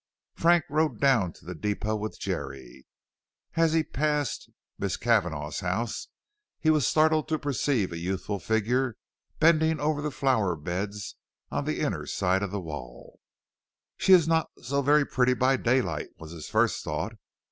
Frank rode down to the depot with Jerry. As he passed Miss Cavanagh's house he was startled to perceive a youthful figure bending over the flower beds on the inner side of the wall. "She is not so pretty by daylight," was his first thought.